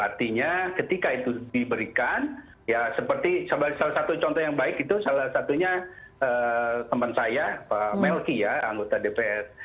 artinya ketika itu diberikan ya seperti salah satu contoh yang baik itu salah satunya teman saya pak melki ya anggota dpr